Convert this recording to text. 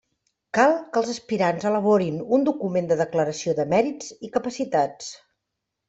Cal que els aspirants elaborin un document de declaració de mèrits i capacitats.